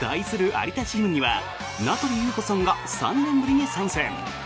有田チームには名取裕子さんが３年ぶりに参戦。